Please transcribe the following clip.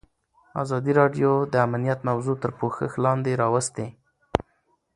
ازادي راډیو د امنیت موضوع تر پوښښ لاندې راوستې.